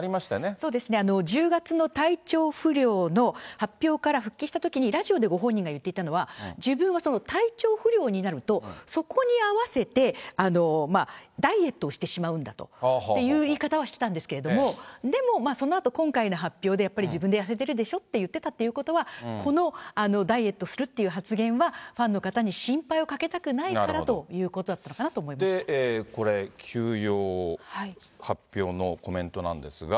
そうですね、１０月の体調不良の発表から復帰したときに、ラジオでご本人が言っていたのは、自分は体調不良になると、そこに合わせて、ダイエットをしてしまうんだという言い方はしてたんですけれども、でも、そのあと今回の発表で、やっぱり自分で痩せてるでしょって言ってたってことは、このダイエットするという発言は、ファンの方に心配をかけたくないからということだったのかなと思これ、休養発表のコメントなんですが。